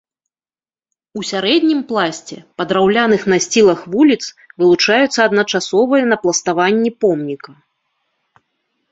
У сярэднім пласце па драўляных насцілах вуліц вылучаюцца адначасовыя напластаванні помніка.